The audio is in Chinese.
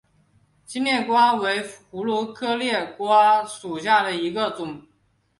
新裂瓜为葫芦科裂瓜属下的一个种。